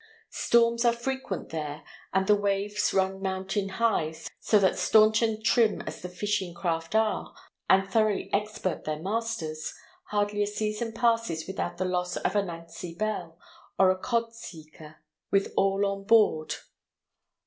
Storms are frequent there, and the waves run mountain high, so that stanch and trim as the fishing craft are, and thoroughly expert their masters, hardly a season passes without the loss of a Nancy Bell or Cod Seeker with all on board.